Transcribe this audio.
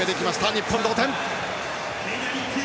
日本、同点！